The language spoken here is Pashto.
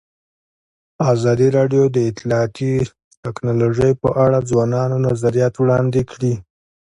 ازادي راډیو د اطلاعاتی تکنالوژي په اړه د ځوانانو نظریات وړاندې کړي.